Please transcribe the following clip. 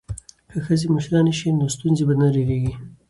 که ښځې مشرانې شي نو ستونزې به نه ډیریږي.